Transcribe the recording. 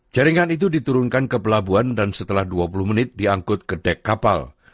jaringan itu diturunkan ke pelabuhan dan setelah dua puluh menit diangkut ke dek kapal